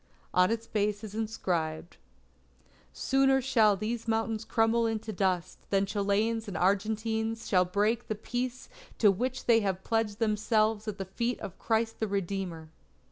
On its base is inscribed: _Sooner shall these mountains crumble into dust, than Chileans and Argentines shall break the peace to which they have pledged themselves at the feet of Christ the Redeemer.